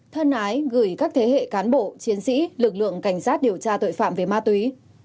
thân ái gửi các thế hệ cán bộ chiến sĩ lực lượng cảnh sát điều tra tội phạm về ma túy